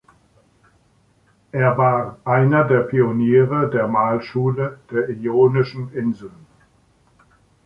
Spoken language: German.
Er war einer der Pioniere der Malschule der Ionischen Inseln.